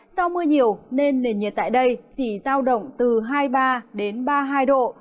do mưa nhiều nên nền nhiệt tại đây chỉ giao động từ hai mươi ba đến ba mươi hai độ